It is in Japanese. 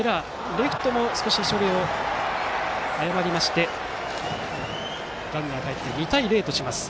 レフトも少し処理を誤りましてランナー、かえって２対０。